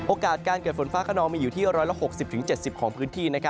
การเกิดฝนฟ้าขนองมีอยู่ที่๑๖๐๗๐ของพื้นที่